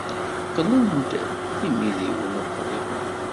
Qqlen d imidiwen uqriben.